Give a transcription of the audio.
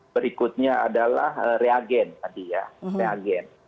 berikutnya adalah reagen tadi ya reagen